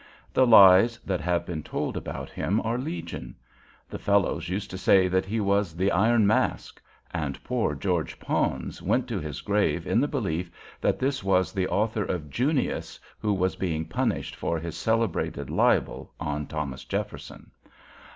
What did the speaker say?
The lies that have been told about him are legion. The fellows used to say he was the "Iron Mask;" and poor George Pons went to his grave in the belief that this was the author of "Junius," who was being punished for his celebrated libel on Thomas Jefferson.